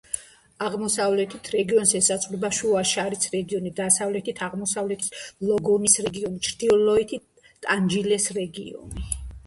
აღმოსავლეთით რეგიონს ესაზღვრება შუა შარის რეგიონი, დასავლეთით აღმოსავლეთი ლოგონის რეგიონი, ჩრდილოეთით ტანჯილეს რეგიონი.